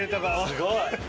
すごい。